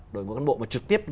đội ngũ căn bộ mà trực tiếp